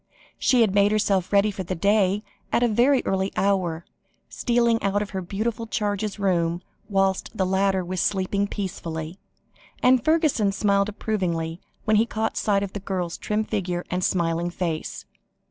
She had made herself ready for the day at a very early hour, stealing out of her beautiful charge's room whilst the latter was sleeping peacefully, and Fergusson smiled approvingly when he caught sight of the girl's trim figure and smiling face.